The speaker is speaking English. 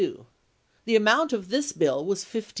The amount of this bill was $1,500.